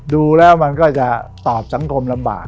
ดูแล้วมันก็จะตอบสังคมลำบาก